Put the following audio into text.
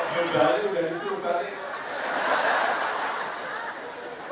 biar balik dari surga nih